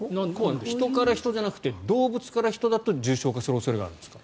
人から人じゃなくて動物から人だと重症化する恐れがあるんですか？